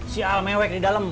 sial mewek di dalam